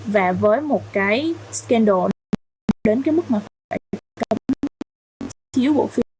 và với một cái scandal đến cái mức mà phải cấm chiếu bộ phim